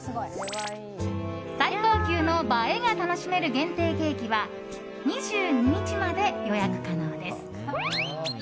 最高級の映えが楽しめる限定ケーキは２２日まで予約可能です。